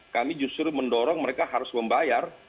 kami justru mendorong mereka harus membayar